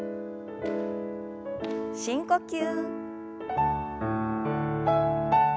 深呼吸。